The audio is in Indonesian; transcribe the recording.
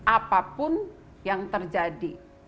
apapun yang terjadi